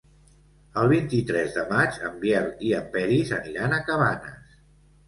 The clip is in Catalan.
El vint-i-tres de maig en Biel i en Peris aniran a Cabanes.